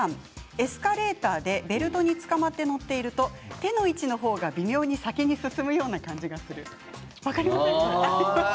エスカレーターでベルトにつかまって乗っていると手の位置の方が微妙に先に進みますということなんです。